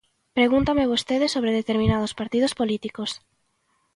Pregúntame vostede sobre determinados partidos políticos.